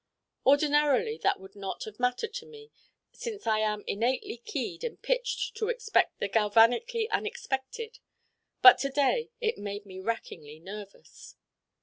Ordinarily that would not have mattered to me since I am innately keyed and pitched to expect the galvanically unexpected. But to day it made me rackingly nervous.